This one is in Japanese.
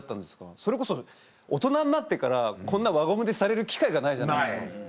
それこそ大人になってからこんな輪ゴムでされる機会がないじゃないですか。